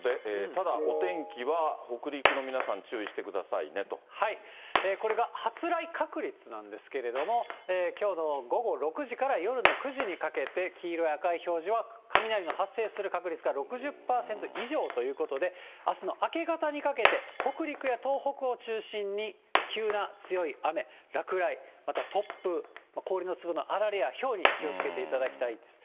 ただ、お天気は北陸の皆さん、これが発雷確率なんですけれども、きょうの午後６時から夜の９時にかけて、黄色や赤い表示は雷の発生する確率が６０％以上ということで、あすの明け方にかけて北陸や東北を中心に急な強い雨、落雷、また突風、氷の粒のあられやひょうに気をつけていただきたいです。